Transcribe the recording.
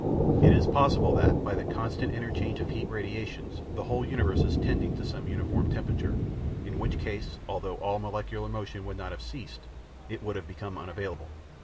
It is possible that, by the constant interchange of heat radiations, the whole universe is tending to some uniform temperature, in which case, although all molecular motion would not have ceased, it would have become unavailable.